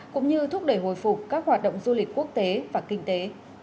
cũng như thúc đẩy hồi phục các hoạt động du lịch quốc tế và kinh tế